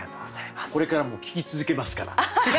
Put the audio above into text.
これからも聴き続けますから。